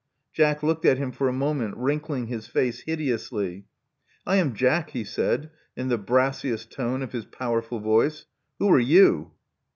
Jack looked at him for a moment, wrinkling his face hideously. I am Jack," he said, in the brassiest tone of his powerful voice. Who are you?"